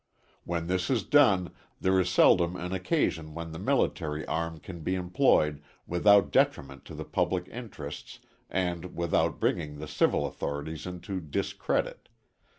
When this is done there is seldom an occasion when the military arm can be employed without detriment to the public interests and without bringing the civil authorities into discredit.